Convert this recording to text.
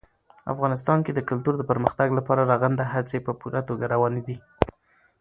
افغانستان کې د کلتور د پرمختګ لپاره رغنده هڅې په پوره توګه روانې دي.